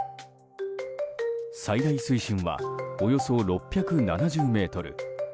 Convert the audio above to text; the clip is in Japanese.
最大水深は、およそ６７０ｍ。